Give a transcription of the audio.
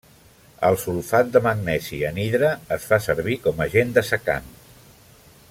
El sulfat de magnesi anhidre es fa servir com agent dessecant.